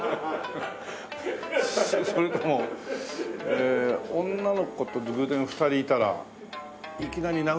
それともえー女の子と偶然２人いたらいきなり殴られた味かな。